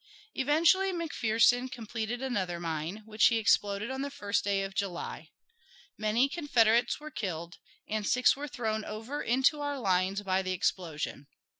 Eventually McPherson completed another mine, which he exploded on the first day of July. Many Confederates were killed, and six were thrown over into our lines by the explosion.